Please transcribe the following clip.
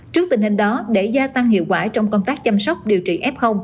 trước tình hình đó để gia tăng hiệu quả trong công tác chăm sóc điều trị f